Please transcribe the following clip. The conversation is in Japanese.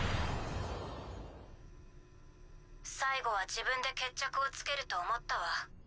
最後は自分で決着をつけると思ったわ。